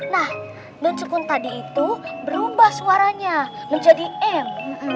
nah nunsukun tadi itu berubah suaranya menjadi em